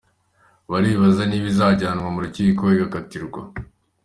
Baribaza niba izajyanwa mu rukiko igakatirwa!.